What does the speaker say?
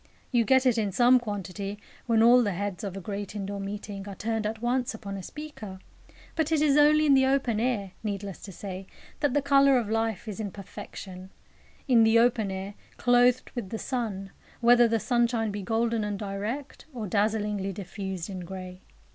You get it in some quantity when all the heads of a great indoor meeting are turned at once upon a speaker; but it is only in the open air, needless to say, that the colour of life is in perfection, in the open air, "clothed with the sun," whether the sunshine be golden and direct, or dazzlingly diffused in grey.